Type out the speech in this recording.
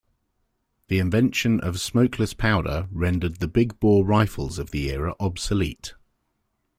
The invention of smokeless powder rendered the big bore rifles of the era obsolete.